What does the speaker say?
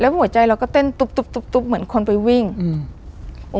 หัวใจเราก็เต้นตุ๊บตุ๊บตุ๊บตุ๊บเหมือนคนไปวิ่งอืม